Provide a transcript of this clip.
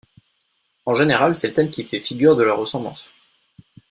En général, c'est le thème qui fait figure de leur ressemblance.